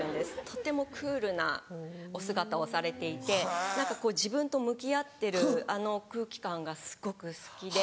とってもクールなお姿をされていて何かこう自分と向き合ってるあの空気感がすごく好きで。